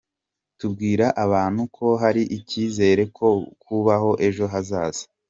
Tubwira abantu ko hari icyizere cyo kubaho ejo hazaza”.